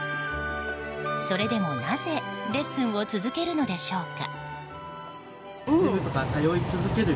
それでも、なぜレッスンを続けるのでしょうか？